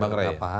bang raya ya